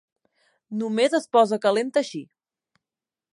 Només es posa calenta així.